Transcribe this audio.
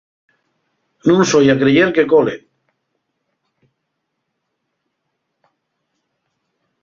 Nun soi a creyer que cole.